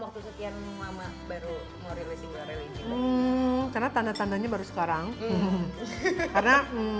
waktu sekian lama baru ngeliru single religion karena tanda tandanya baru sekarang karena